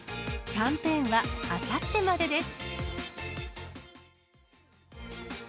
キャンペーンはあさってまでです。